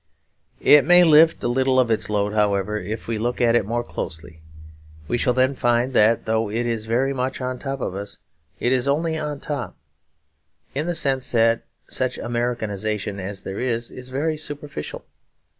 It may lift a little of its load, however, if we look at it more closely; we shall then find that though it is very much on top of us, it is only on top. In that sense such Americanisation as there is is very superficial.